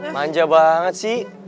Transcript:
manja banget sih